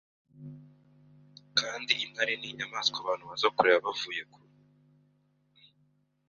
kandi intare ni inyamaswa abantu baza kureba bavuye kure